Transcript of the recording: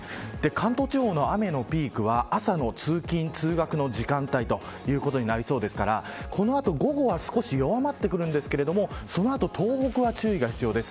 関東地方の雨のピークは朝の通勤通学の時間帯ということになりそうですからこの後、午後は少し弱まってくるんですけれどもその後、東北は注意が必要です。